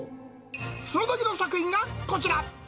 そのときの作品がこちら。